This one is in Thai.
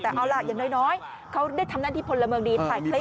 แต่เอาล่ะอย่างน้อยเขาได้ทำงานที่พลเมืองดี